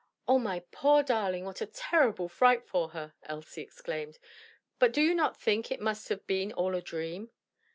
"Oh my poor darling, what a terrible fright for her!" Elsie exclaimed, "but do you not think it must have been all a dream?"